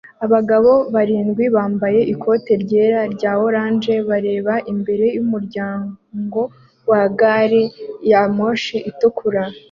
Abagabo barindwi bambaye ikoti ryera rya orange bareba imbere yumuryango wa gari ya moshi itukura